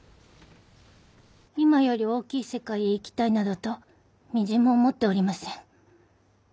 今より大きい世界へ行きたいなどとみじんも思っておりません。